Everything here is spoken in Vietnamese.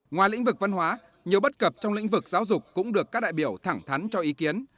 ngoài lĩnh vực văn hóa nhiều bất cập trong lĩnh vực giáo dục cũng được các đại biểu thẳng thắn cho ý kiến